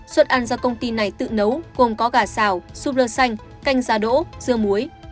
suất ăn do công ty này tự nấu gồm có gà xào súp lơ xanh canh da đỗ dưa muối